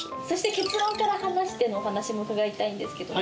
「結論から話して」のお話も伺いたいんですけども。